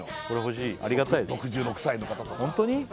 これ欲しいありがたい６６歳の方とかホントに？